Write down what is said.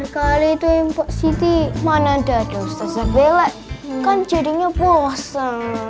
kan jadinya puasa